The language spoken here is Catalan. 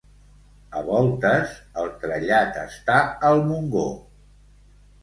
A voltes el trellat està al Montgó.